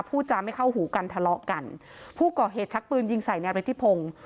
พูดจาไม่เข้าหูกันทะเลาะกันผู้ก่อเหตุชักปืนยิงใส่นายฤทธิพงศ์